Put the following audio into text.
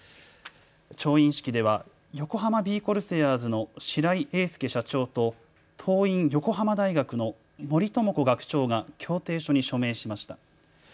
調印式では横浜ビー・コルセアーズの白井英介社長と桐蔭横浜大学の森朋子学長が協定書に署名しました。